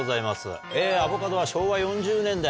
アボカドは昭和４０年代